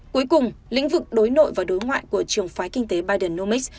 cuối cùng lĩnh vực đối nội và đối ngoại của trường phái kinh tế biden nomix